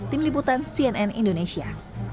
tim liputan cnn indonesia